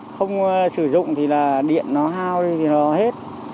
không sử dụng thì là điện nó hao đi thì nó hết